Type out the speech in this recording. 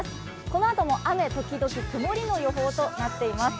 このあとも雨時々曇りの予報となっています。